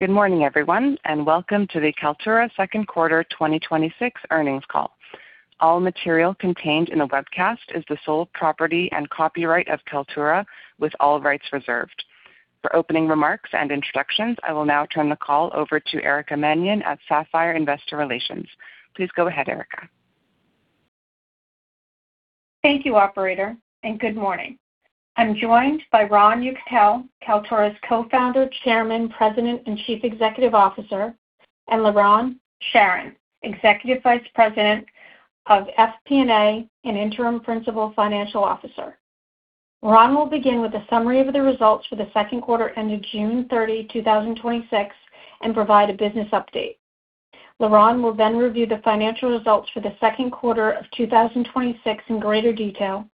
Good morning, everyone, and welcome to the Kaltura second quarter 2026 earnings call. All material contained in the webcast is the sole property and copyright of Kaltura with all rights reserved. For opening remarks and introductions, I will now turn the call over to Erica Mannion at Sapphire Investor Relations. Please go ahead, Erica. Thank you, operator, and good morning. I'm joined by Ron Yekutiel, Kaltura's Co-founder, Chairman, President, and Chief Executive Officer, and Liron Sharon, Executive Vice President of FP&A and Interim Principal Financial Officer. Ron will begin with a summary of the results for the second quarter ended June 30, 2026, and provide a business update. Liron will then review the financial results for the second quarter of 2026 in greater detail,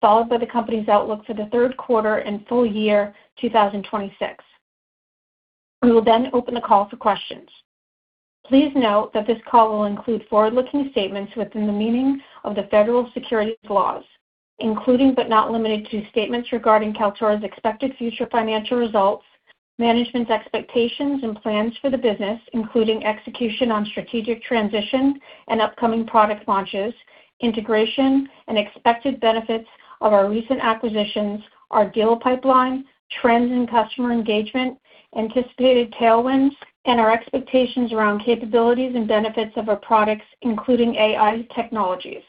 followed by the company's outlook for the third quarter and full year 2026. We will then open the call for questions. Please note that this call will include forward-looking statements within the meaning of the federal securities laws, including but not limited to, statements regarding Kaltura's expected future financial results, management's expectations and plans for the business, including execution on strategic transition and upcoming product launches, integration and expected benefits of our recent acquisitions, our deal pipeline, trends in customer engagement, anticipated tailwinds, and our expectations around capabilities and benefits of our products, including AI technologies.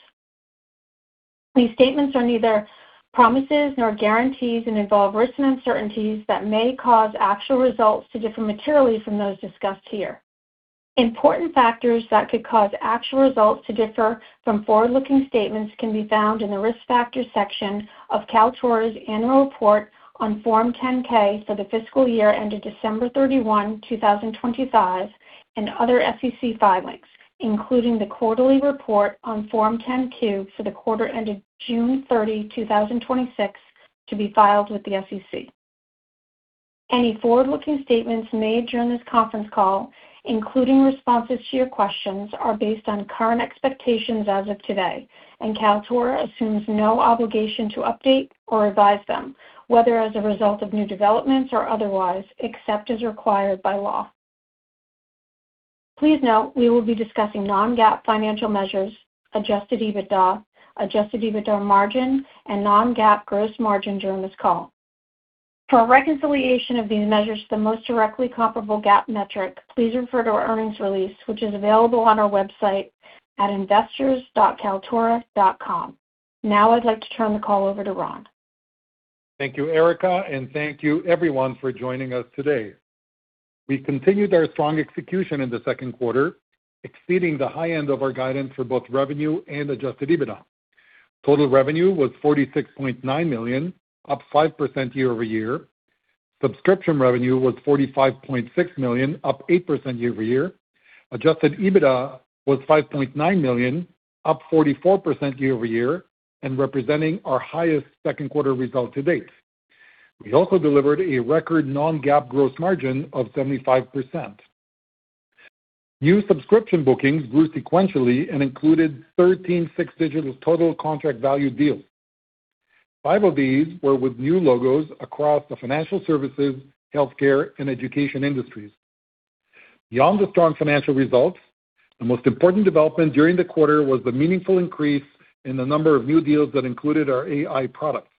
These statements are neither promises nor guarantees and involve risks and uncertainties that may cause actual results to differ materially from those discussed here. Important factors that could cause actual results to differ from forward-looking statements can be found in the Risk Factors section of Kaltura's annual report on Form 10-K for the fiscal year ended December 31, 2025, and other SEC filings, including the quarterly report on Form 10-Q for the quarter ended June 30, 2026, to be filed with the SEC. Any forward-looking statements made during this conference call, including responses to your questions, are based on current expectations as of today, and Kaltura assumes no obligation to update or revise them, whether as a result of new developments or otherwise, except as required by law. Please note we will be discussing non-GAAP financial measures, adjusted EBITDA, adjusted EBITDA margin, and non-GAAP gross margin during this call. For a reconciliation of these measures to the most directly comparable GAAP metric, please refer to our earnings release, which is available on our website at investors.kaltura.com. Now I'd like to turn the call over to Ron. Thank you, Erica, thank you everyone for joining us today. We continued our strong execution in the second quarter, exceeding the high end of our guidance for both revenue and adjusted EBITDA. Total revenue was $46.9 million, up 5% year-over-year. Subscription revenue was $45.6 million, up 8% year-over-year. Adjusted EBITDA was $5.9 million, up 44% year-over-year, representing our highest second quarter result to date. We also delivered a record non-GAAP gross margin of 75%. New subscription bookings grew sequentially included 13 six-digit total contract value deals. Five of these were with new logos across the financial services, healthcare, and education industries. Beyond the strong financial results, the most important development during the quarter was the meaningful increase in the number of new deals that included our AI product.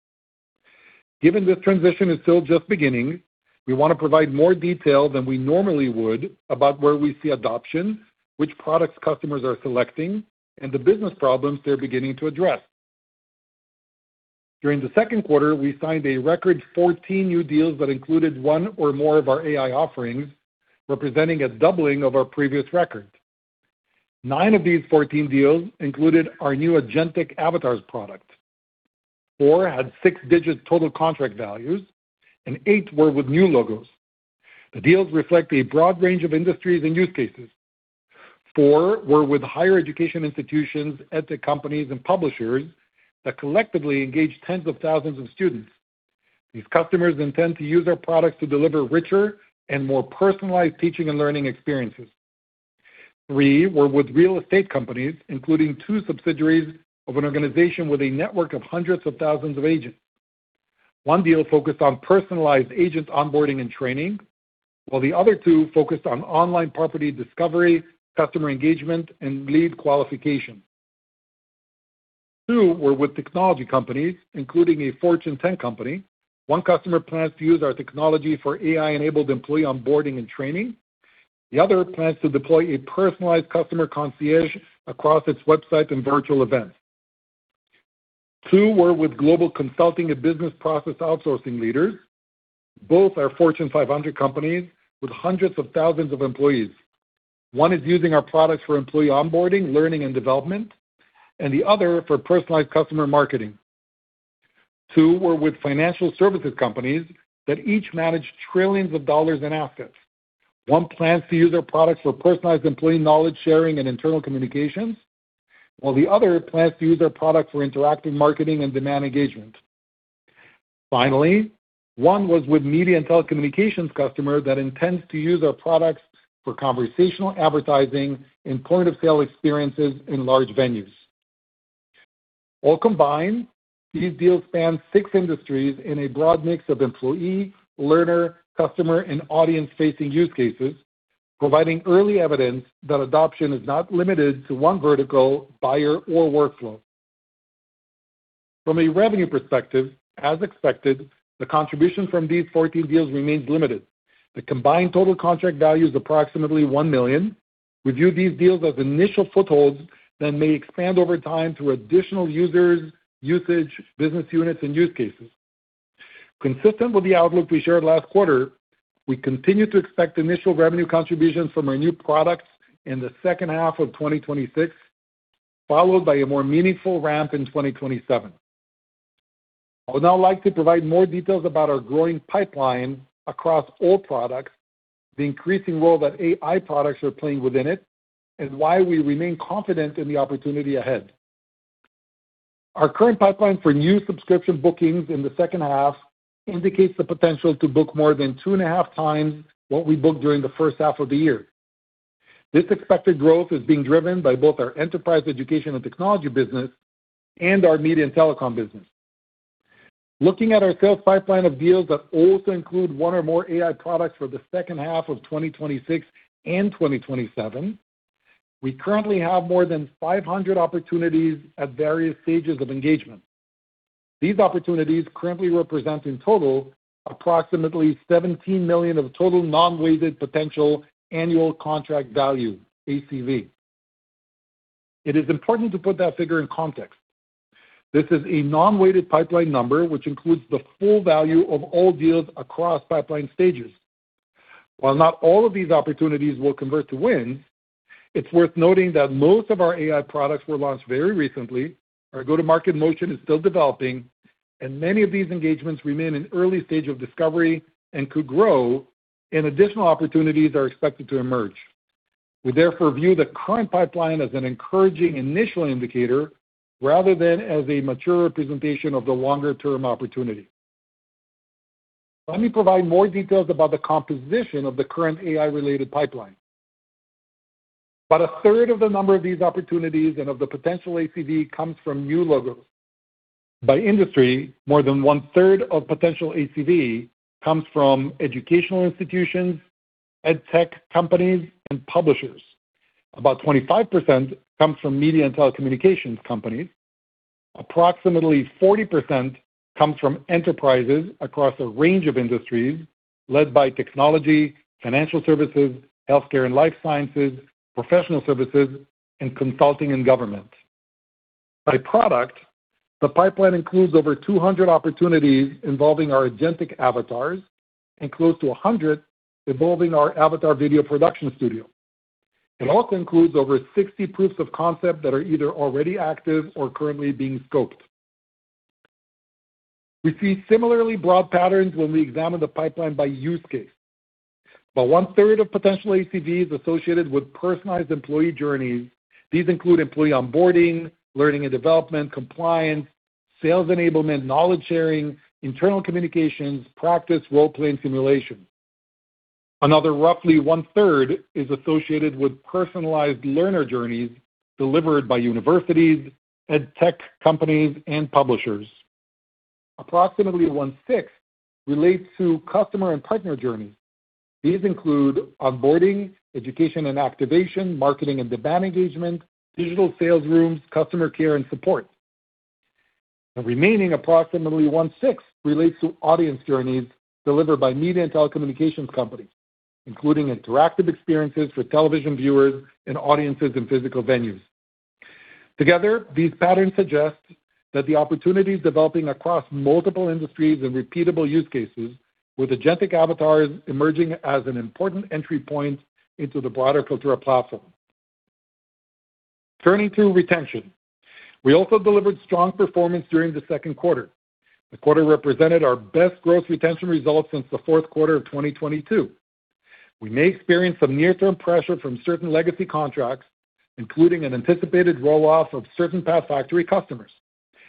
Given this transition is still just beginning, we want to provide more detail than we normally would about where we see adoption, which products customers are selecting, and the business problems they're beginning to address. During the second quarter, we signed a record 14 new deals that included one or more of our AI offerings, representing a doubling of our previous record. Nine of these 14 deals included our new Agentic Avatars product. Four had six-digit total contract values. Eight were with new logos. The deals reflect a broad range of industries and use cases. Four were with higher education institutions, ed tech companies, and publishers that collectively engage tens of thousands of students. These customers intend to use our products to deliver richer and more personalized teaching and learning experiences. Three were with real estate companies, including two subsidiaries of an organization with a network of hundreds of thousands of agents. One deal focused on personalized agent onboarding and training, while the other two focused on online property discovery, customer engagement, and lead qualification. Two were with technology companies, including a Fortune 10 company. One customer plans to use our technology for AI-enabled employee onboarding and training. The other plans to deploy a personalized customer concierge across its websites and virtual events. Two were with global consulting and business process outsourcing leaders. Both are Fortune 500 companies with hundreds of thousands of employees. One is using our products for employee onboarding, learning, and development. The other for personalized customer marketing. Two were with financial services companies that each manage trillions of dollars in assets. One plans to use our products for personalized employee knowledge sharing and internal communications, while the other plans to use our products for interactive marketing and demand engagement. Finally, one was with Media and Telecommunications customer that intends to use our products for conversational advertising and point-of-sale experiences in large venues. All combined, these deals span six industries in a broad mix of employee, learner, customer, and audience-facing use cases, providing early evidence that adoption is not limited to one vertical, buyer, or workflow. From a revenue perspective, as expected, the contribution from these 14 deals remains limited. The combined total contract value is approximately $1 million. We view these deals as initial footholds that may expand over time to additional users, usage, business units, and use cases. Consistent with the outlook we shared last quarter, we continue to expect initial revenue contributions from our new products in the second half of 2026, followed by a more meaningful ramp in 2027. I would now like to provide more details about our growing pipeline across all products, the increasing role that AI products are playing within it, and why we remain confident in the opportunity ahead. Our current pipeline for new subscription bookings in the second half indicates the potential to book more than two and a half times what we booked during the first half of the year. This expected growth is being driven by both our Enterprise, Education, and Technology business and our Media and Telecom business. Looking at our sales pipeline of deals that also include one or more AI products for the second half of 2026 and 2027, we currently have more than 500 opportunities at various stages of engagement. These opportunities currently represent, in total, approximately $17 million of total non-weighted potential annual contract value, ACV. It is important to put that figure in context. This is a non-weighted pipeline number, which includes the full value of all deals across pipeline stages. While not all of these opportunities will convert to wins, it's worth noting that most of our AI products were launched very recently, our go-to-market motion is still developing, and many of these engagements remain in early stage of discovery and could grow, and additional opportunities are expected to emerge. We therefore view the current pipeline as an encouraging initial indicator rather than as a mature representation of the longer-term opportunity. Let me provide more details about the composition of the current AI-related pipeline. About a third of the number of these opportunities and of the potential ACV comes from new logos. By industry, more than one-third of potential ACV comes from educational institutions, ed tech companies, and publishers. About 25% comes from Media and Telecommunications companies. Approximately 40% comes from enterprises across a range of industries led by technology, financial services, healthcare and life sciences, professional services, and consulting and government. By product, the pipeline includes over 200 opportunities involving our Agentic Avatars and close to 100 involving our Avatar Video Production Studio. It also includes over 60 proofs of concept that are either already active or currently being scoped. We see similarly broad patterns when we examine the pipeline by use case. About one-third of potential ACV is associated with personalized employee journeys. These include employee onboarding, learning and development, compliance, sales enablement, knowledge sharing, internal communications, practice, role-playing simulation. Another roughly one-third is associated with personalized learner journeys delivered by universities, ed tech companies, and publishers. Approximately one-sixth relates to customer and partner journeys. These include onboarding, education and activation, marketing and demand engagement, digital sales rooms, customer care, and support. The remaining approximately one-sixth relates to audience journeys delivered by media and telecommunications companies, including interactive experiences for television viewers and audiences in physical venues. Together, these patterns suggest that the opportunity is developing across multiple industries and repeatable use cases, with agentic avatars emerging as an important entry point into the broader Kaltura platform. Turning to retention. We also delivered strong performance during the second quarter. The quarter represented our best gross retention results since the fourth quarter of 2022. We may experience some near-term pressure from certain legacy contracts, including an anticipated roll-off of certain PathFactory customers.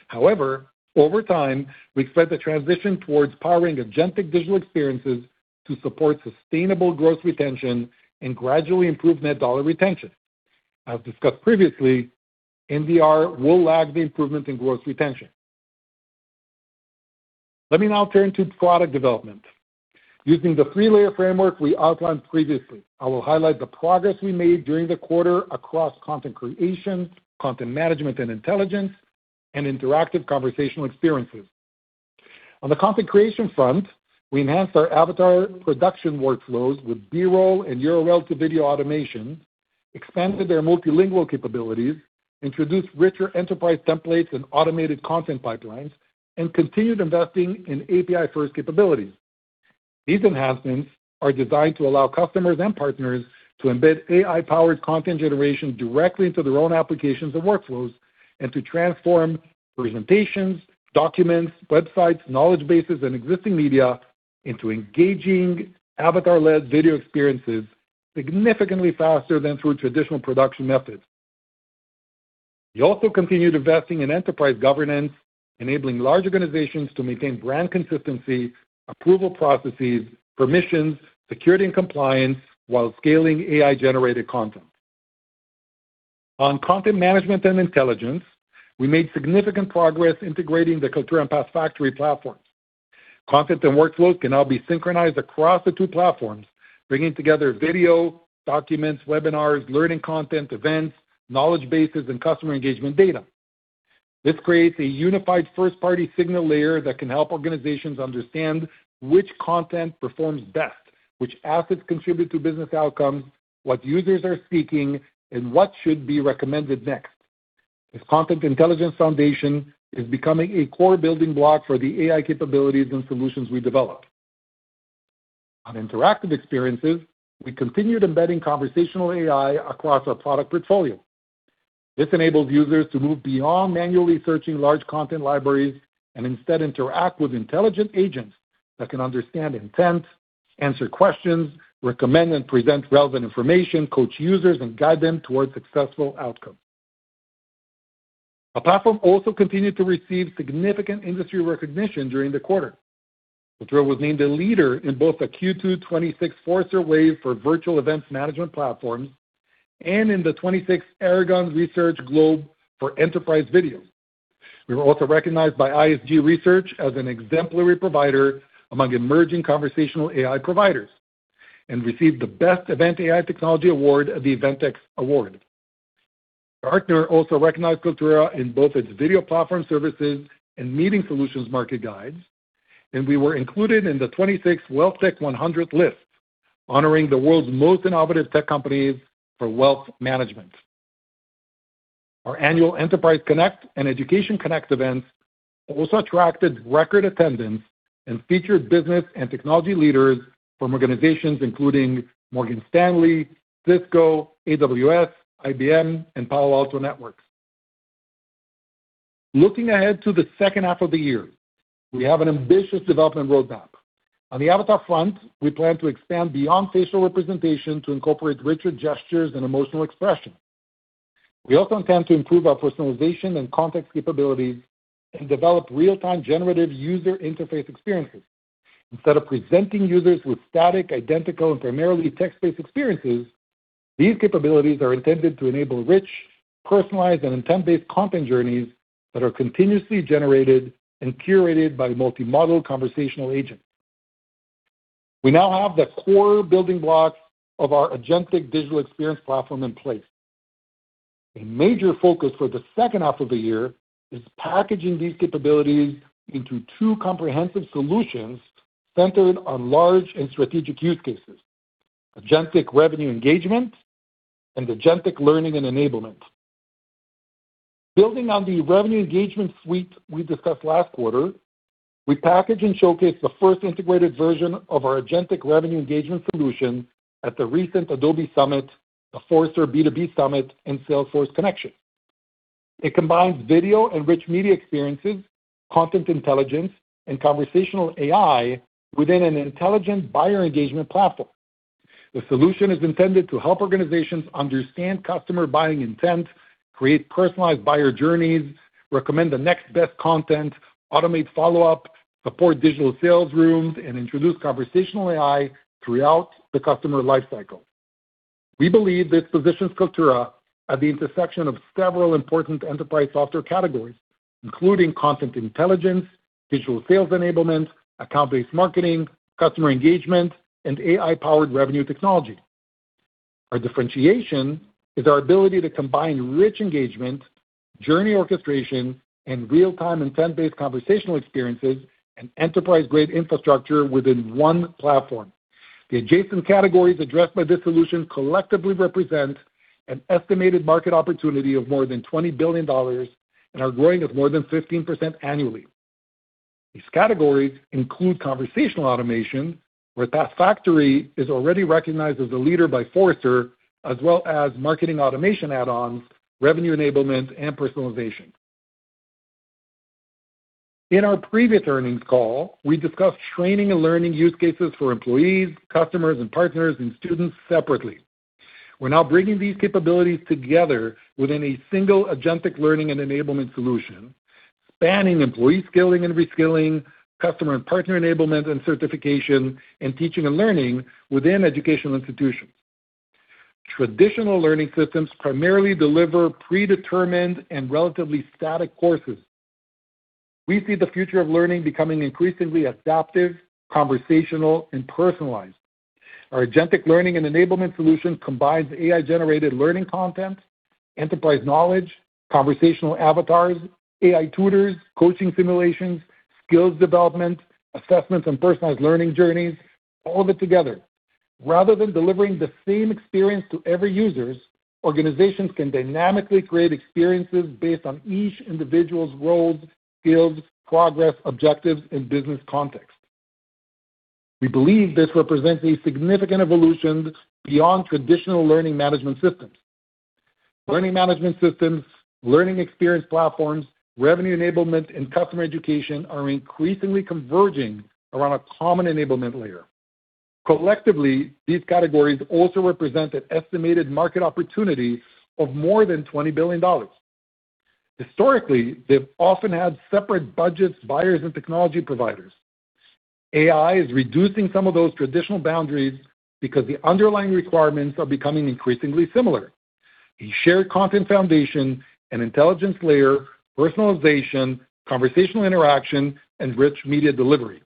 However, over time, we expect the transition towards powering agentic digital experiences to support sustainable gross retention and gradually improve net dollar retention. As discussed previously, NDR will lag the improvement in gross retention. Let me now turn to product development. Using the three-layer framework we outlined previously, I will highlight the progress we made during the quarter across content creation, content management and intelligence, and interactive conversational experiences. On the content creation front, we enhanced our avatar production workflows with B-roll and URL-to-video automation, expanded their multilingual capabilities, introduced richer enterprise templates and automated content pipelines, and continued investing in API-first capabilities. These enhancements are designed to allow customers and partners to embed AI-powered content generation directly into their own applications and workflows and to transform presentations, documents, websites, knowledge bases, and existing media into engaging avatar-led video experiences significantly faster than through traditional production methods. We also continued investing in enterprise governance enabling large organizations to maintain brand consistency, approval processes, permissions, security, and compliance while scaling AI-generated content. On content management and intelligence, we made significant progress integrating the Kaltura and PathFactory platforms. Content and workflows can now be synchronized across the two platforms, bringing together video, documents, webinars, learning content, events, knowledge bases, and customer engagement data. This creates a unified first-party signal layer that can help organizations understand which content performs best, which assets contribute to business outcomes, what users are seeking, and what should be recommended next. This content intelligence foundation is becoming a core building block for the AI capabilities and solutions we develop. On interactive experiences, we continued embedding conversational AI across our product portfolio. This enables users to move beyond manually searching large content libraries and instead interact with intelligent agents that can understand intent, answer questions, recommend and present relevant information, coach users, and guide them towards successful outcomes. Our platform also continued to receive significant industry recognition during the quarter. Kaltura was named a leader in both the Q2 2026 Forrester Wave for Virtual Event Management Platforms and in the 2026 Aragon Research Globe for Enterprise Video. We were also recognized by ISG Research as an exemplary provider among emerging conversational AI providers and received the Best Event AI Technology award at the Eventex Awards. Gartner also recognized Kaltura in both its Video Platform Services and Meeting Solutions market guides, we were included in the 2026 WealthTech100 list, honoring the world's most innovative tech companies for wealth management. Our annual Enterprise Connect and Education Connect events also attracted record attendance and featured business and technology leaders from organizations including Morgan Stanley, Cisco, AWS, IBM, and Palo Alto Networks. Looking ahead to the second half of the year, we have an ambitious development roadmap. On the avatar front, we plan to expand beyond facial representation to incorporate richer gestures and emotional expression. We also intend to improve our personalization and context capabilities and develop real-time generative user interface experiences. Instead of presenting users with static, identical, and primarily text-based experiences, these capabilities are intended to enable rich, personalized, and intent-based content journeys that are continuously generated and curated by multi-modal conversational agents. We now have the core building blocks of our Agentic digital experience platform in place. A major focus for the second half of the year is packaging these capabilities into two comprehensive solutions centered on large and strategic use cases: Agentic Revenue Engagement and Agentic Learning and Enablement. Building on the revenue engagement suite we discussed last quarter, we packaged and showcased the first integrated version of our Agentic Revenue Engagement solution at the recent Adobe Summit, the Forrester B2B Summit, and Salesforce Connection. It combines video and rich media experiences, content intelligence, and conversational AI within an intelligent buyer engagement platform. The solution is intended to help organizations understand customer buying intent, create personalized buyer journeys, recommend the next-best content, automate follow-up, support digital sales rooms, and introduce conversational AI throughout the customer life cycle. We believe this positions Kaltura at the intersection of several important enterprise software categories, including content intelligence, digital sales enablement, account-based marketing, customer engagement, and AI-powered revenue technology. Our differentiation is our ability to combine rich engagement, journey orchestration, and real-time intent-based conversational experiences and enterprise-grade infrastructure within one platform. The adjacent categories addressed by this solution collectively represent an estimated market opportunity of more than $20 billion and are growing at more than 15% annually. These categories include conversational automation, where ChatFactory is already recognized as a leader by Forrester, as well as marketing automation add-ons, revenue enablement, and personalization. In our previous earnings call, we discussed training and learning use cases for employees, customers and partners, and students separately. We're now bringing these capabilities together within a single Agentic Learning and Enablement solution, spanning employee skilling and reskilling, customer and partner enablement and certification, and teaching and learning within educational institutions. Traditional learning systems primarily deliver predetermined and relatively static courses. We see the future of learning becoming increasingly adaptive, conversational, and personalized. Our Agentic Learning and Enablement solution combines AI-generated learning content, enterprise knowledge, conversational avatars, AI tutors, coaching simulations, skills development, assessments, and personalized learning journeys, all of it together. Rather than delivering the same experience to every user, organizations can dynamically create experiences based on each individual's roles, skills, progress, objectives, and business context. We believe this represents a significant evolution beyond traditional learning management systems. Learning management systems, learning experience platforms, revenue enablement, and customer education are increasingly converging around a common enablement layer. Collectively, these categories also represent an estimated market opportunity of more than $20 billion. Historically, they've often had separate budgets, buyers, and technology providers. AI is reducing some of those traditional boundaries because the underlying requirements are becoming increasingly similar. A shared content foundation, an intelligence layer, personalization, conversational interaction, and rich media delivery.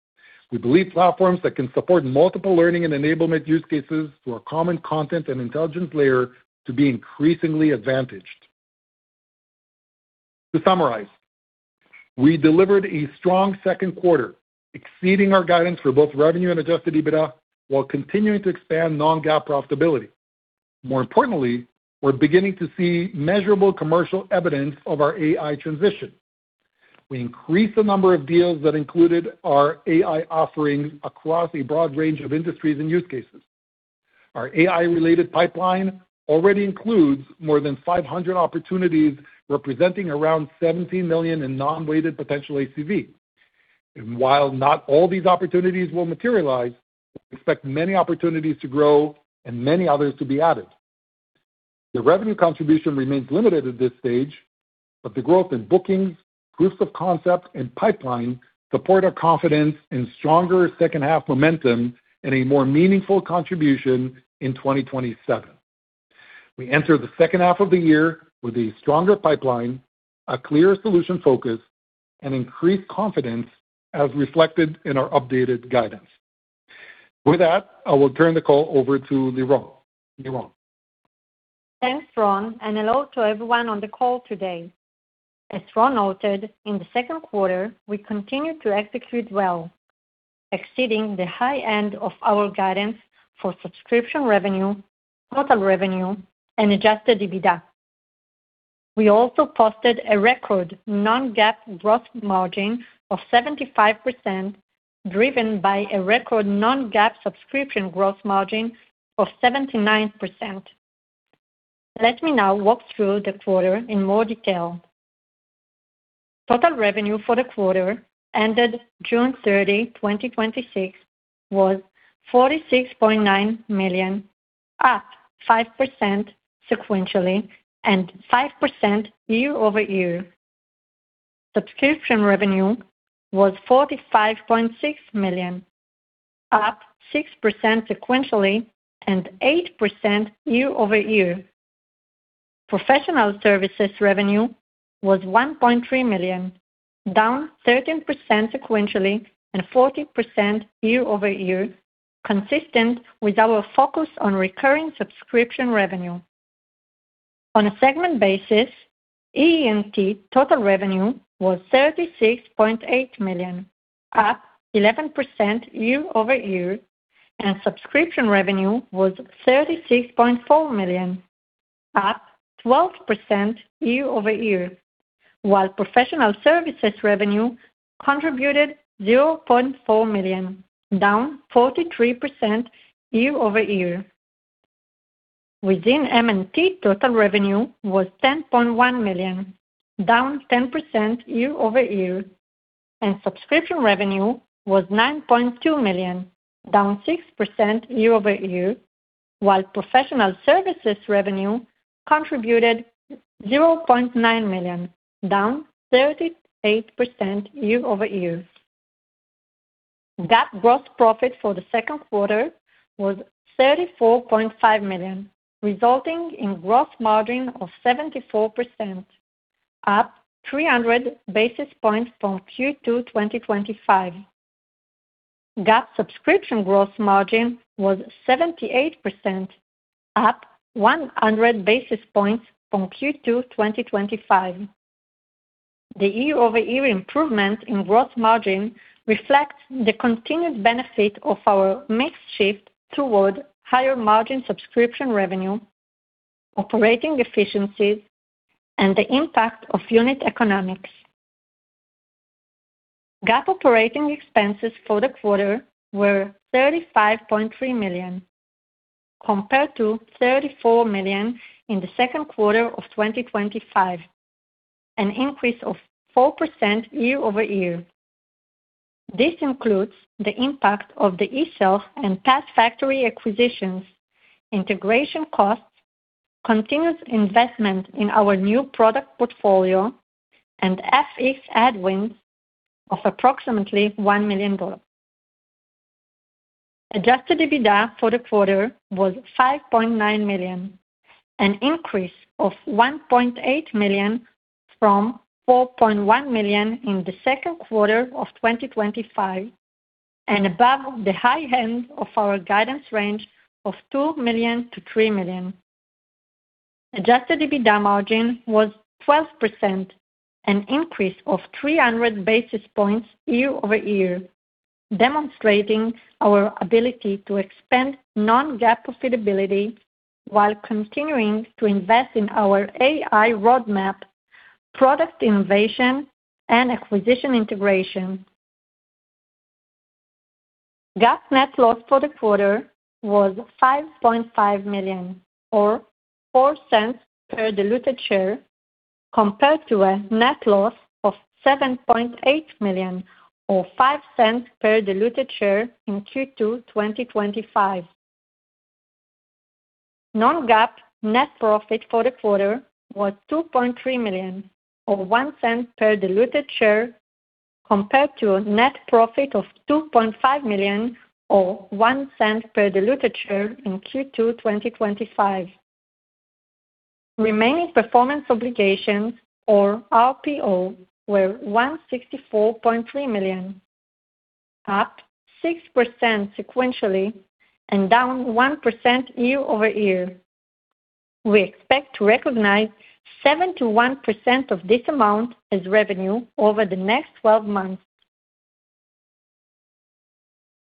We believe platforms that can support multiple learning and enablement use cases through a common content and intelligence layer to be increasingly advantaged. To summarize, we delivered a strong second quarter, exceeding our guidance for both revenue and adjusted EBITDA, while continuing to expand non-GAAP profitability. More importantly, we're beginning to see measurable commercial evidence of our AI transition. We increased the number of deals that included our AI offerings across a broad range of industries and use cases. Our AI-related pipeline already includes more than 500 opportunities, representing around $17 million in non-weighted potential ACV. While not all these opportunities will materialize, we expect many opportunities to grow and many others to be added. The revenue contribution remains limited at this stage, but the growth in bookings, proofs of concept, and pipeline support our confidence in stronger second half momentum and a more meaningful contribution in 2027. We enter the second half of the year with a stronger pipeline, a clear solution focus, and increased confidence as reflected in our updated guidance. With that, I will turn the call over to Liron. Liron? Thanks, Ron, and hello to everyone on the call today. As Ron noted, in the second quarter, we continued to execute well, exceeding the high end of our guidance for subscription revenue, total revenue, and adjusted EBITDA. We also posted a record non-GAAP gross margin of 75%, driven by a record non-GAAP subscription gross margin of 79%. Let me now walk through the quarter in more detail. Total revenue for the quarter ended June 30, 2026 was $46.9 million, up 5% sequentially and 5% year-over-year. Subscription revenue was $45.6 million, up 6% sequentially and 8% year-over-year. Professional services revenue was $1.3 million, down 13% sequentially and 14% year-over-year, consistent with our focus on recurring subscription revenue. On a segment basis, EE&T total revenue was $36.8 million, up 11% year-over-year, and subscription revenue was $36.4 million, up 12% year-over-year, while professional services revenue contributed $0.4 million, down 43% year-over-year. Within M&T, total revenue was $10.1 million, down 10% year-over-year, and subscription revenue was $9.2 million, down 6% year-over-year, while professional services revenue contributed $0.9 million, down 38% year-over-year. GAAP gross profit for the second quarter was $34.5 million, resulting in gross margin of 74%, up 300 basis points from Q2 2025. GAAP subscription gross margin was 78%, up 100 basis points from Q2 2025. The year-over-year improvement in gross margin reflects the continued benefit of our mix shift toward higher margin subscription revenue, operating efficiencies, and the impact of unit economics. GAAP operating expenses for the quarter were $35.3 million compared to $34 million in the second quarter of 2025, an increase of 4% year-over-year. This includes the impact of the eSelf.ai and PathFactory acquisitions, integration costs, continuous investment in our new product portfolio, and FX headwinds of approximately $1 million. Adjusted EBITDA for the quarter was $5.9 million, an increase of $1.8 million from $4.1 million in the second quarter of 2025, and above the high end of our guidance range of $2 million-$3 million. Adjusted EBITDA margin was 12%, an increase of 300 basis points year-over-year, demonstrating our ability to expand non-GAAP profitability while continuing to invest in our AI roadmap, product innovation, and acquisition integration. GAAP net loss for the quarter was $5.5 million, or $0.04 per diluted share compared to a net loss of $7.8 million or $0.05 per diluted share in Q2 2025. Non-GAAP net profit for the quarter was $2.3 million or $0.01 per diluted share, compared to a net profit of $2.5 million or $0.01 per diluted share in Q2 2025. Remaining performance obligations or RPO were $164.3 million, up 6% sequentially and down 1% year-over-year. We expect to recognize 71% of this amount as revenue over the next 12 months.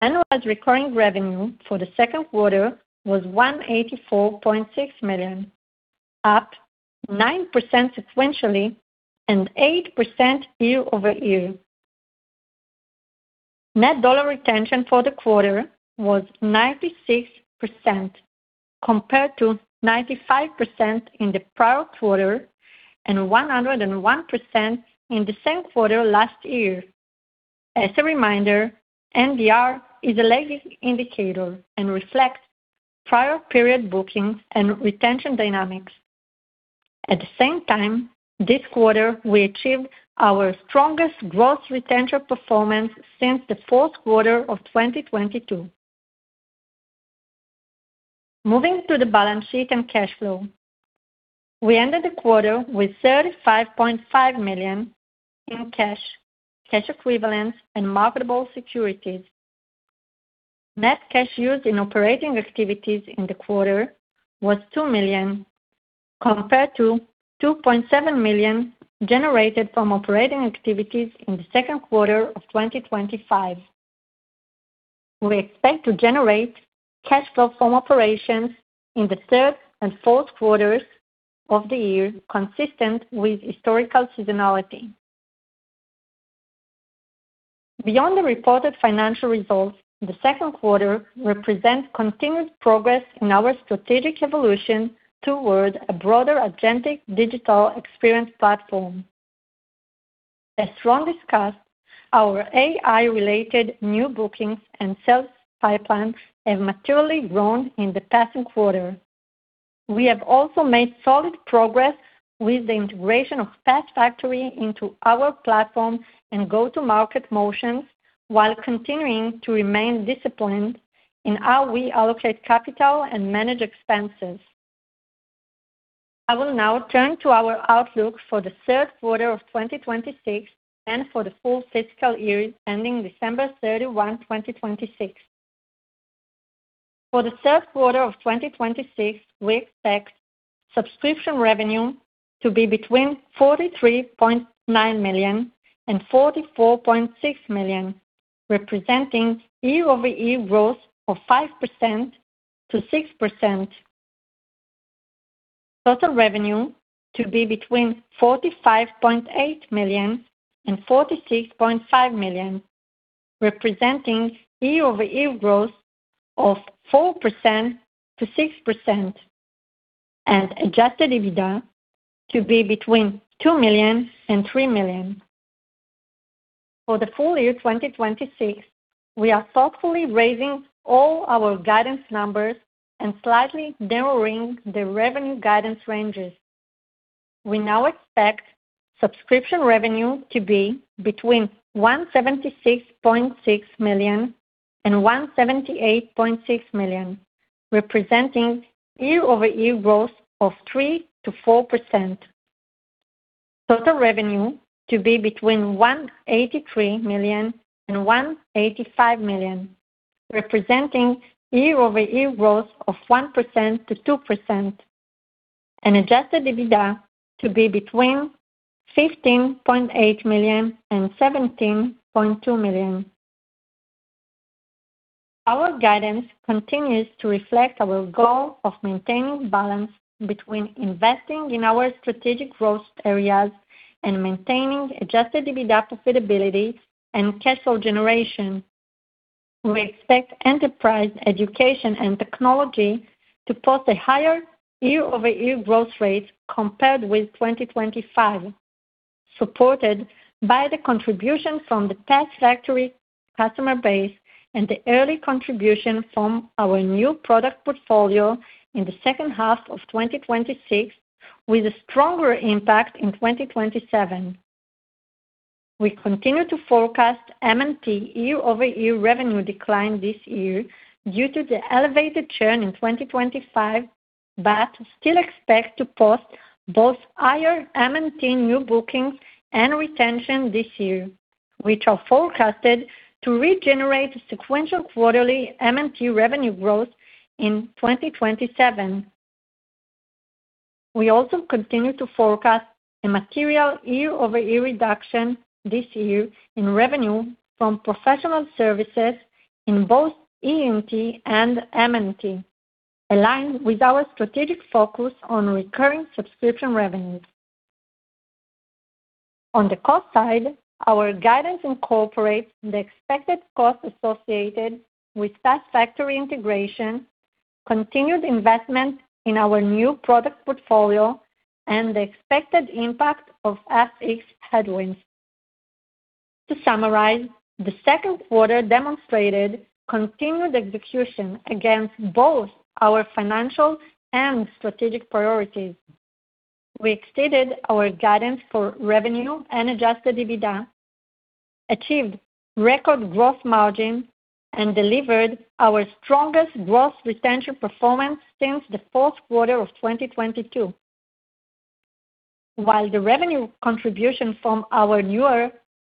Annualized recurring revenue for the second quarter was $184.6 million, up 9% sequentially and 8% year-over-year. Net dollar retention for the quarter was 96%, compared to 95% in the prior quarter and 101% in the same quarter last year. As a reminder, NDR is a legacy indicator and reflects prior period bookings and retention dynamics. At the same time, this quarter we achieved our strongest growth retention performance since the fourth quarter of 2022. Moving to the balance sheet and cash flow, we ended the quarter with $35.5 million in cash equivalents, and marketable securities. Net cash used in operating activities in the quarter was $2 million, compared to $2.7 million generated from operating activities in the second quarter of 2025. We expect to generate cash flow from operations in the third and fourth quarters of the year, consistent with historical seasonality. Beyond the reported financial results, the second quarter represents continuous progress in our strategic evolution toward a broader agentic digital experience platform. As Ron discussed, our AI-related new bookings and sales pipeline have materially grown in the past quarter. We have also made solid progress with the integration of PathFactory into our platform and go-to-market motions while continuing to remain disciplined in how we allocate capital and manage expenses. I will now turn to our outlook for the third quarter of 2026 and for the full fiscal year ending December 31, 2026. For the third quarter of 2026, we expect subscription revenue to be between $43.9 million and $44.6 million, representing year-over-year growth of 5%-6%. Total revenue to be between $45.8 million and $46.5 million, representing year-over-year growth of 4%-6%, and adjusted EBITDA to be between $2 million and $3 million. For the full year 2026, we are thoughtfully raising all our guidance numbers and slightly narrowing the revenue guidance ranges. We now expect subscription revenue to be between $176.6 million and $178.6 million, representing year-over-year growth of 3%-4%. Total revenue to be between $183 million and $185 million, representing year-over-year growth of 1%-2%, and adjusted EBITDA to be between $15.8 million and $17.2 million. Our guidance continues to reflect our goal of maintaining balance between investing in our strategic growth areas and maintaining adjusted EBITDA profitability and cash flow generation. We expect Enterprise, Education, and Technology to post a higher year-over-year growth rate compared with 2025, supported by the contribution from the PathFactory customer base and the early contribution from our new product portfolio in the second half of 2026, with a stronger impact in 2027. We continue to forecast M&T year-over-year revenue decline this year due to the elevated churn in 2025, but still expect to post both higher M&T new bookings and retention this year, which are forecasted to regenerate sequential quarterly M&T revenue growth in 2027. We also continue to forecast a material year-over-year reduction this year in revenue from professional services in both EE&T and M&T, aligned with our strategic focus on recurring subscription revenues. On the cost side, our guidance incorporates the expected costs associated with PathFactory integration, continued investment in our new product portfolio, and the expected impact of FX headwinds. To summarize, the second quarter demonstrated continued execution against both our financial and strategic priorities. We exceeded our guidance for revenue and adjusted EBITDA, achieved record gross margin, and delivered our strongest gross retention performance since the fourth quarter of 2022. While the revenue contribution from our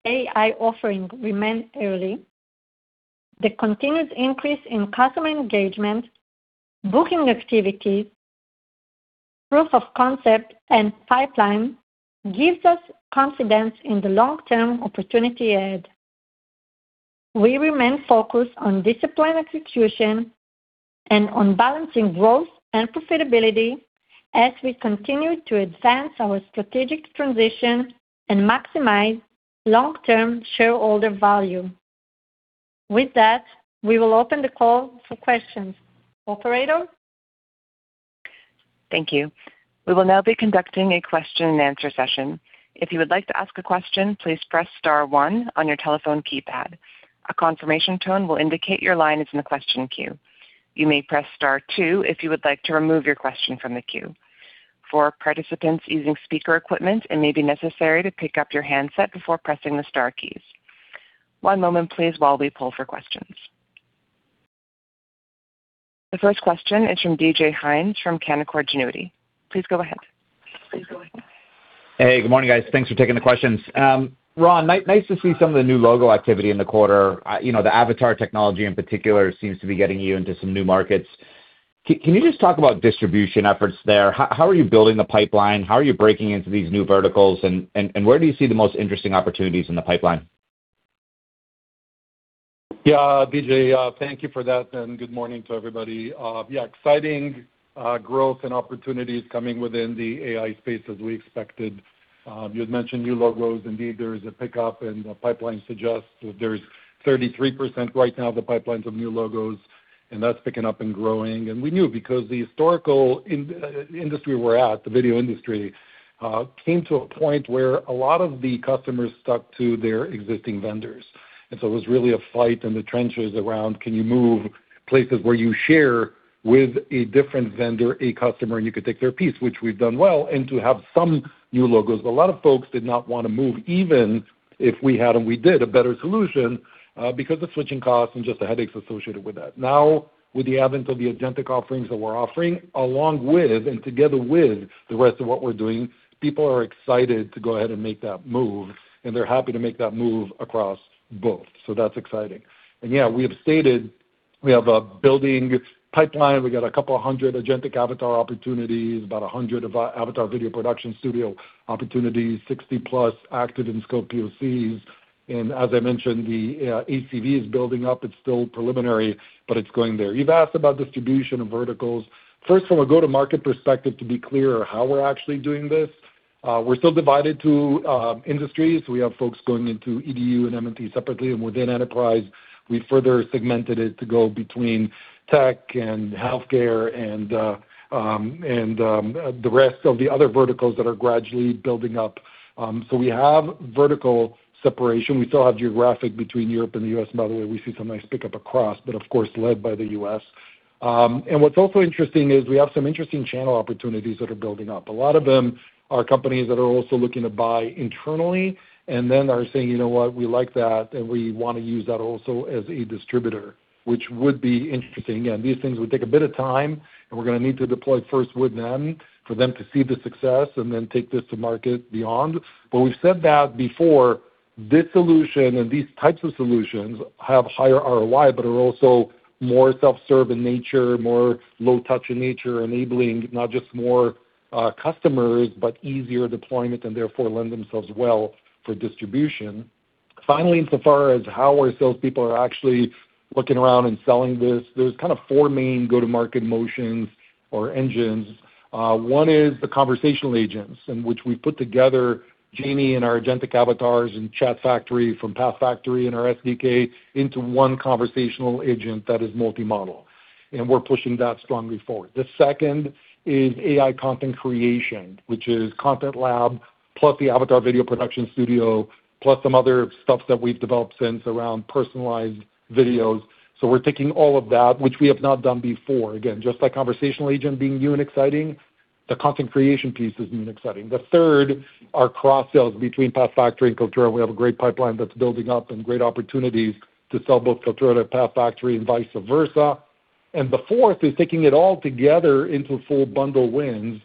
newer AI offering remains early, the continued increase in customer engagement, booking activity, proof of concept and pipeline gives us confidence in the long-term opportunity ahead. We remain focused on disciplined execution and on balancing growth and profitability as we continue to advance our strategic transition and maximize long-term shareholder value. With that, we will open the call for questions. Operator? Thank you. We will now be conducting a question and answer session. If you would like to ask a question, please press star one on your telephone keypad. A confirmation tone will indicate your line is in the question queue. You may press star two if you would like to remove your question from the queue. For participants using speaker equipment, it may be necessary to pick up your handset before pressing the star keys. One moment, please, while we pull for questions. The first question is from DJ Hynes from Canaccord Genuity. Please go ahead. Hey, good morning, guys. Thanks for taking the questions. Ron, nice to see some of the new logo activity in the quarter. The avatar technology in particular seems to be getting you into some new markets. Can you just talk about distribution efforts there? How are you building the pipeline? How are you breaking into these new verticals? Where do you see the most interesting opportunities in the pipeline? Yeah, DJ, thank you for that, and good morning to everybody. Yeah, exciting growth and opportunities coming within the AI space as we expected. You had mentioned new logos. Indeed, there is a pickup, and the pipeline suggests that there's 33% right now the pipelines of new logos, and that's picking up and growing. We knew because the historical industry we're at, the video industry, came to a point where a lot of the customers stuck to their existing vendors. It was really a fight in the trenches around can you move places where you share with a different vendor, a customer, and you could take their piece, which we've done well, and to have some new logos. A lot of folks did not want to move, even if we had, and we did, a better solution, because the switching costs and just the headaches associated with that. Now, with the advent of the agentic offerings that we're offering, along with and together with the rest of what we're doing, people are excited to go ahead and make that move, and they're happy to make that move across both. That's exciting. Yeah, we have stated we have a building pipeline. We got a couple of hundred Agentic Avatar opportunities, about 100 Avatar Video Production Studio opportunities, 60+ active in-scope POCs. As I mentioned, the ACV is building up. It's still preliminary, but it's going there. You've asked about distribution of verticals. First, from a go-to-market perspective, to be clear how we're actually doing this, we're still divided to industries. We have folks going into EDU and M&T separately and within enterprise. We further segmented it to go between tech and healthcare and the rest of the other verticals that are gradually building up. We have vertical separation. We still have geographic between Europe and the U.S. By the way, we see some nice pickup across, but of course, led by the U.S. What's also interesting is we have some interesting channel opportunities that are building up. A lot of them are companies that are also looking to buy internally and then are saying, "You know what? We like that, and we want to use that also as a distributor," which would be interesting. These things would take a bit of time, and we're going to need to deploy first with them for them to see the success and then take this to market beyond. We've said that before, this solution and these types of solutions have higher ROI, but are also more self-serve in nature, more low touch in nature, enabling not just more customers, but easier deployment and therefore lend themselves well for distribution. Finally, insofar as how our salespeople are actually looking around and selling this, there's kind of four main go-to-market motions or engines. One is the conversational agents, in which we put together Jamie and our Agentic Avatars and ChatFactory from PathFactory and our SDK into one conversational agent that is multi-model. We're pushing that strongly forward. The second is AI content creation, which is Content Lab, plus the Avatar Video Production Studio, plus some other stuff that we've developed since around personalized videos. We're taking all of that, which we have not done before. Just like conversational agent being new and exciting, the content creation piece is new and exciting. The third are cross-sells between PathFactory and Kaltura. We have a great pipeline that's building up and great opportunities to sell both Kaltura and PathFactory and vice versa. The fourth is taking it all together into full bundle wins,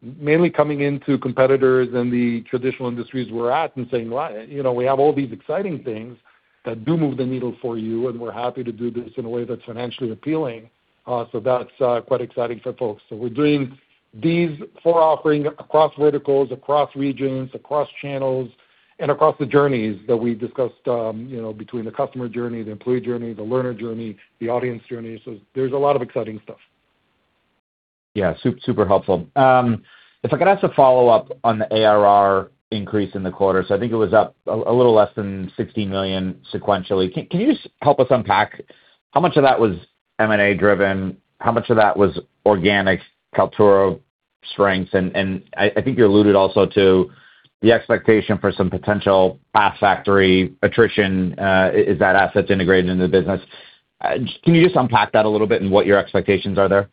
mainly coming into competitors in the traditional industries we're at and saying, "We have all these exciting things that do move the needle for you, and we're happy to do this in a way that's financially appealing." That's quite exciting for folks. We're doing these four offerings across verticals, across regions, across channels, and across the journeys that we've discussed between the customer journey, the employee journey, the learner journey, the audience journey. There's a lot of exciting stuff. Yeah, super helpful. If I could ask a follow-up on the ARR increase in the quarter. I think it was up a little less than $16 million sequentially. Can you help us unpack how much of that was M&A driven? How much of that was organic Kaltura strengths? I think you alluded also to the expectation for some potential PathFactory attrition as that asset's integrated into the business. Can you just unpack that a little bit and what your expectations are there?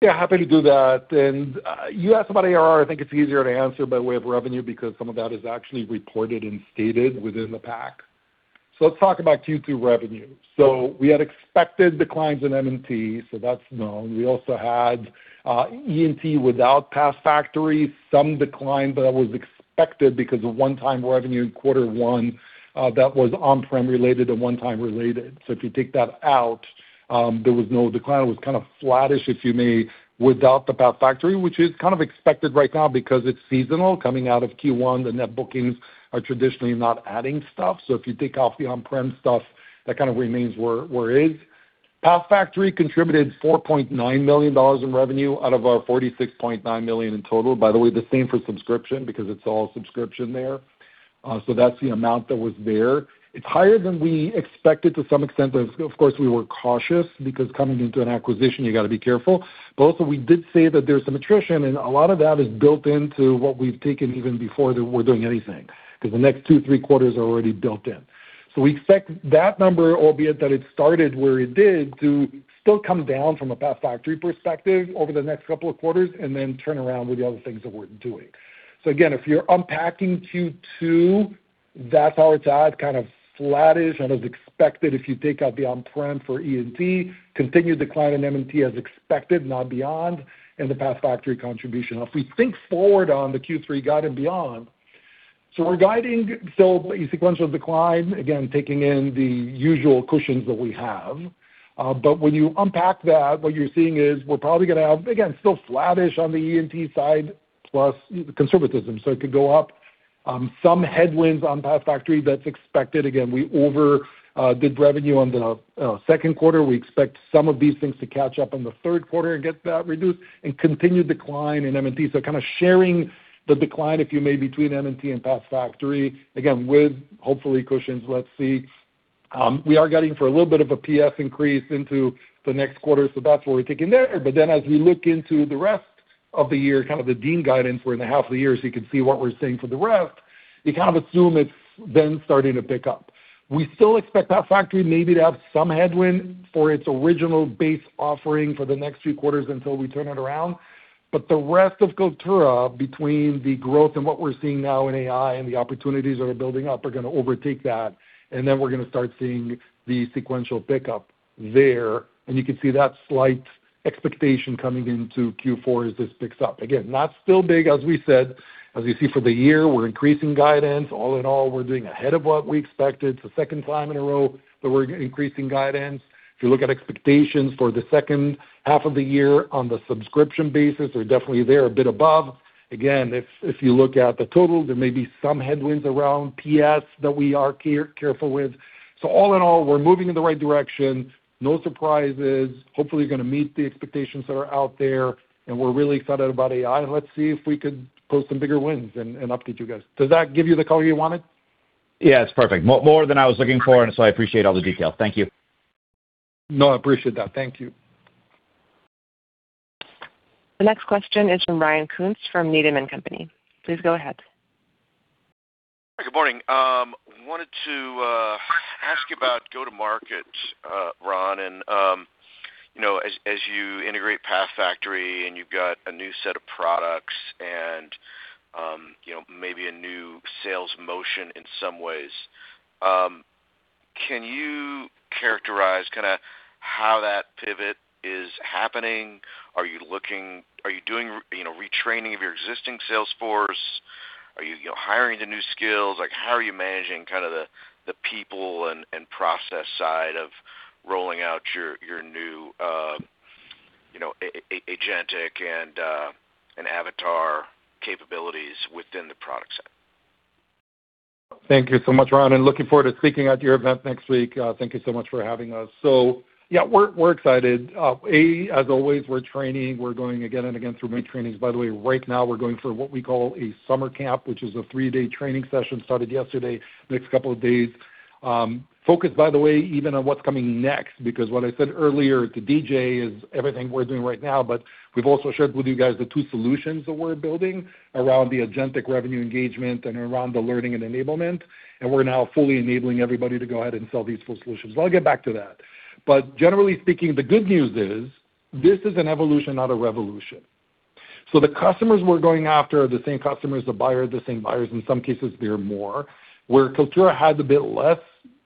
Yeah, happy to do that. You asked about ARR, I think it's easier to answer by way of revenue because some of that is actually reported and stated within the pack. Let's talk about Q2 revenue. We had expected declines in M&T, so that's known. We also had E&T without PathFactory, some decline, but that was expected because of one-time revenue in quarter one, that was on-prem related and one-time related. If you take that out, there was no decline. It was kind of flattish, if you may, without the PathFactory, which is kind of expected right now because it's seasonal coming out of Q1. The net bookings are traditionally not adding stuff. If you take off the on-prem stuff, that kind of remains where it is. PathFactory contributed $4.9 million in revenue out of our $46.9 million in total. By the way, the same for subscription because it's all subscription there. That's the amount that was there. It's higher than we expected to some extent, but of course, we were cautious because coming into an acquisition, you got to be careful. Also we did say that there's some attrition, and a lot of that is built into what we've taken even before we're doing anything. Because the next two, three quarters are already built in. We expect that number, albeit that it started where it did, to still come down from a PathFactory perspective over the next couple of quarters and then turn around with the other things that we're doing. Again, if you're unpacking Q2, that's how it's at, kind of flattish and as expected if you take out the on-prem for EE&T, continued decline in M&T as expected, not beyond, and the PathFactory contribution. If we think forward on the Q3 guide and beyond, we're guiding still a sequential decline, again, taking in the usual cushions that we have. When you unpack that, what you're seeing is we're probably going to have, again, still flattish on the EE&T side plus conservatism. It could go up. Some headwinds on PathFactory, that's expected. Again, we overdid revenue on the second quarter. We expect some of these things to catch up in the third quarter and get that reduced, and continued decline in M&T. Kind of sharing the decline, if you may, between M&T and PathFactory, again, with hopefully cushions, let's see. We are guiding for a little bit of a PS increase into the next quarter, that's what we're taking there. As we look into the rest of the year, kind of the lean guidance for the half of the year, you can see what we're seeing for the rest, you kind of assume it's then starting to pick up. We still expect PathFactory maybe to have some headwind for its original base offering for the next few quarters until we turn it around. The rest of Kaltura, between the growth and what we're seeing now in AI and the opportunities that are building up, are going to overtake that, then we're going to start seeing the sequential pickup there. You can see that slight expectation coming into Q4 as this picks up. Again, not still big, as we said. As you see for the year, we're increasing guidance. All in all, we're doing ahead of what we expected, for the second time in a row that we're increasing guidance. If you look at expectations for the second half of the year on the subscription basis, they're definitely there a bit above. Again, if you look at the total, there may be some headwinds around PS that we are careful with. All in all, we're moving in the right direction. No surprises. Hopefully going to meet the expectations that are out there, we're really excited about AI, let's see if we could post some bigger wins and update you guys. Does that give you the color you wanted? Yeah, it's perfect. More than I was looking for, I appreciate all the detail. Thank you. No, I appreciate that. Thank you. The next question is from Ryan Koontz from Needham & Company. Please go ahead. Good morning. Wanted to ask about go-to-market, Ron. As you integrate PathFactory and you've got a new set of products and maybe a new sales motion in some ways, can you characterize how that pivot is happening? Are you doing retraining of your existing sales force? Are you hiring the new skills? How are you managing the people and process side of rolling out your new agentic and avatar capabilities within the product set? Thank you so much, Ryan, and looking forward to speaking at your event next week. Thank you so much for having us. Yeah, we're excited. As always, we're training. We're going again and again through many trainings. By the way, right now we're going through what we call a Summer Camp, which is a three-day training session, started yesterday, next couple of days. Focused, by the way, even on what's coming next, because what I said earlier to DJ is everything we're doing right now, we've also shared with you guys the two solutions that we're building around the Agentic Revenue Engagement and around the Agentic Learning and Enablement, and we're now fully enabling everybody to go ahead and sell these full solutions. I'll get back to that. Generally speaking, the good news is this is an evolution, not a revolution. The customers we're going after are the same customers, the buyers are the same buyers. In some cases, they're more. Where Kaltura had a bit less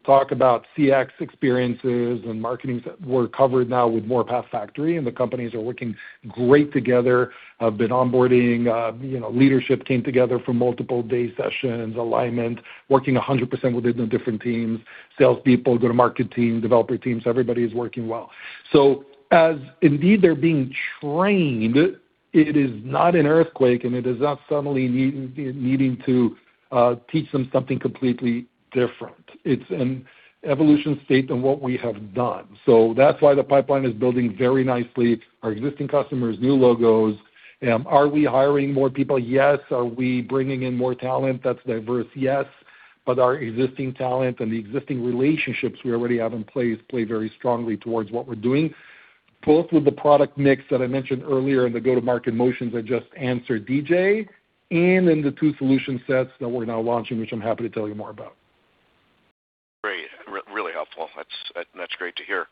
talk about CX experiences and marketing, we're covered now with more PathFactory, and the companies are working great together. Have been onboarding. Leadership came together for multiple day sessions, alignment, working 100% within the different teams, salespeople, go-to-market team, developer teams, everybody is working well. As indeed they're being trained, it is not an earthquake, and it is not suddenly needing to teach them something completely different. It's an evolution state on what we have done. That's why the pipeline is building very nicely. Our existing customers, new logos. Are we hiring more people? Yes. Are we bringing in more talent that's diverse? Yes. Our existing talent and the existing relationships we already have in place play very strongly towards what we're doing, both with the product mix that I mentioned earlier in the go-to-market motions I just answered DJ and in the two solution sets that we're now launching, which I'm happy to tell you more about. Great. Really helpful. That's great to hear.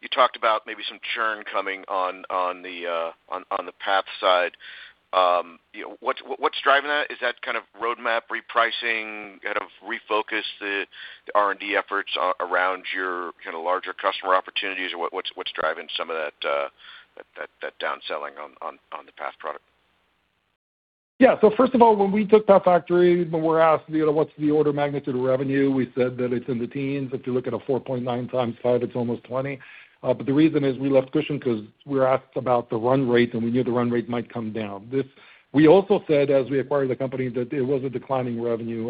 You talked about maybe some churn coming on the Path side. What's driving that? Is that kind of roadmap repricing, kind of refocus the R&D efforts around your larger customer opportunities? What's driving some of that down-selling on the Path product? Yeah. First of all, when we took PathFactory, when we're asked, "What's the order magnitude of revenue?" We said that it's in the teens. If you look at a 4.9 times five, it's almost 20. The reason is we left cushion because we were asked about the run rate, and we knew the run rate might come down. We also said, as we acquired the company, that it was a declining revenue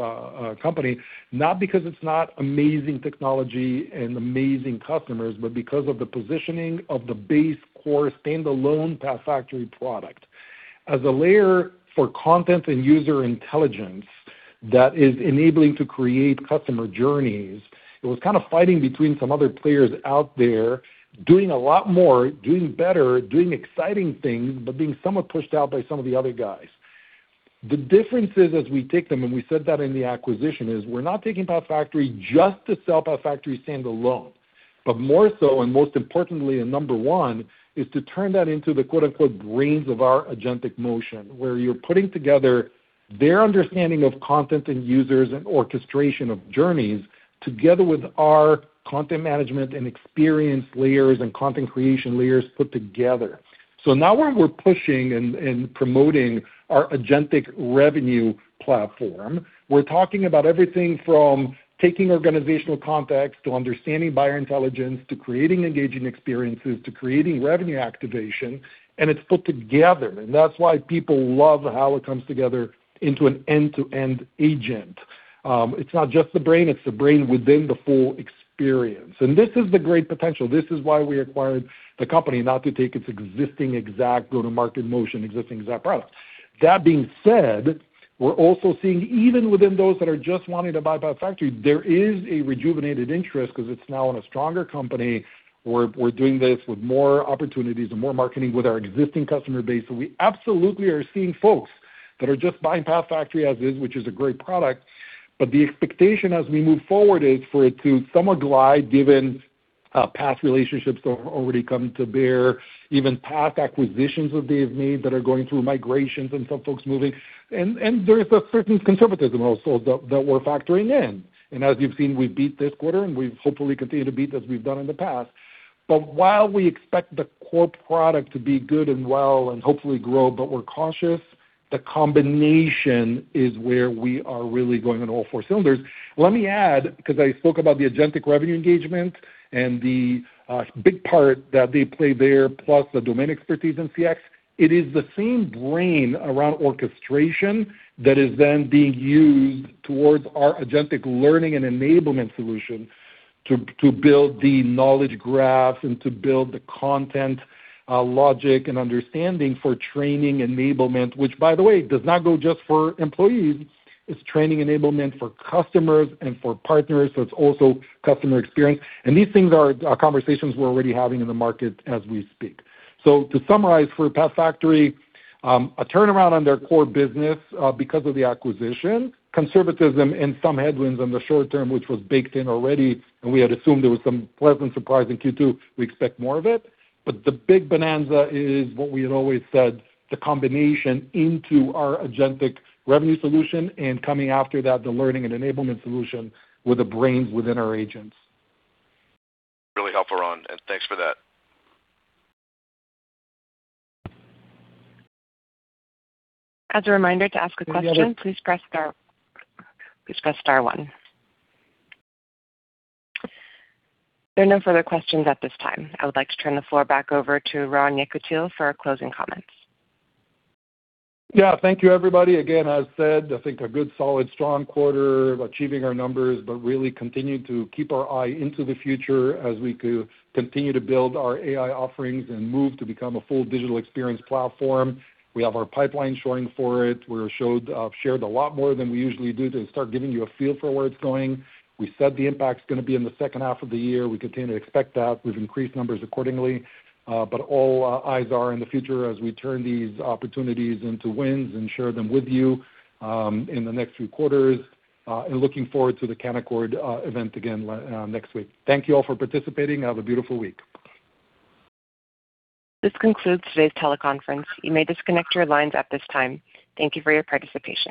company, not because it's not amazing technology and amazing customers, but because of the positioning of the base core standalone PathFactory product. As a layer for content and user intelligence that is enabling to create customer journeys, it was kind of fighting between some other players out there, doing a lot more, doing better, doing exciting things, but being somewhat pushed out by some of the other guys. The difference is as we take them, and we said that in the acquisition, is we're not taking PathFactory just to sell PathFactory standalone, but more so, and most importantly, and number one, is to turn that into the "brains" of our agentic motion, where you're putting together their understanding of content and users and orchestration of journeys together with our content management and experience layers and content creation layers put together. Now we're pushing and promoting our Agentic Revenue Platform. We're talking about everything from taking organizational context to understanding buyer intelligence, to creating engaging experiences, to creating revenue activation, and it's put together. That's why people love how it comes together into an end-to-end agent. It's not just the brain, it's the brain within the full experience. This is the great potential. This is why we acquired the company, not to take its existing exact go-to-market motion, existing exact product. That being said, we're also seeing, even within those that are just wanting to buy PathFactory, there is a rejuvenated interest because it's now in a stronger company. We're doing this with more opportunities and more marketing with our existing customer base. We absolutely are seeing folks that are just buying PathFactory as is, which is a great product. The expectation as we move forward is for it to somewhat glide, given past relationships that have already come to bear, even past acquisitions that they've made that are going through migrations and some folks moving. There is a certain conservatism also that we're factoring in. As you've seen, we beat this quarter, and we've hopefully continued to beat as we've done in the past. While we expect the core product to be good and well and hopefully grow, but we're cautious, the combination is where we are really going on all four cylinders. Let me add, because I spoke about the Agentic Revenue Engagement and the big part that they play there, plus the domain expertise in CX, it is the same brain around orchestration that is then being used towards our Agentic Learning and Enablement solution to build the knowledge graphs and to build the content logic and understanding for training enablement. Which, by the way, does not go just for employees. It's training enablement for customers and for partners, so it's also customer experience. These things are conversations we're already having in the market as we speak. To summarize for PathFactory, a turnaround on their core business because of the acquisition, conservatism, and some headwinds in the short term, which was baked in already, and we had assumed there was some pleasant surprise in Q2, we expect more of it. The big bonanza is what we had always said, the combination into our Agentic Revenue Solution and coming after that, the Learning and Enablement Solution with the brains within our agents. Really helpful, Ron. Thanks for that. As a reminder to ask a question, please press star one. There are no further questions at this time. I would like to turn the floor back over to Ron Yekutiel for closing comments. Thank you, everybody. Again, as said, I think a good, solid, strong quarter, achieving our numbers, but really continuing to keep our eye into the future as we continue to build our AI offerings and move to become a full digital experience platform. We have our pipeline showing for it. We shared a lot more than we usually do to start giving you a feel for where it's going. We said the impact's going to be in the second half of the year. We continue to expect that. We've increased numbers accordingly. All eyes are in the future as we turn these opportunities into wins and share them with you in the next few quarters. Looking forward to the Canaccord event again next week. Thank you all for participating. Have a beautiful week. This concludes today's teleconference. You may disconnect your lines at this time. Thank you for your participation.